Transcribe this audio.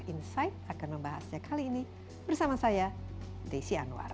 insight akan membahasnya kali ini bersama saya desi anwar